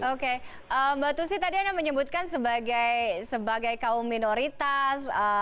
oke mbak tusi tadi anda menyebutkan sebagai kaum minoritas